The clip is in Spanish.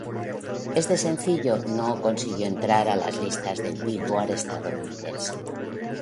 Este sencillo no consiguió entrar a las listas del Billboard estadounidense.